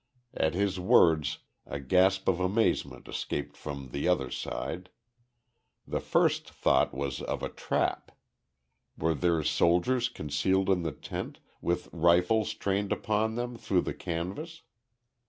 At his words a gasp of amazement escaped from the other side. The first thought was of a trap. Were there soldiers concealed in the tent, with rifles trained upon them through the canvas?